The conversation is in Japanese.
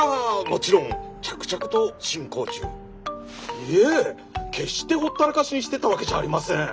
いえ決してほったらかしにしてたわけじゃありません。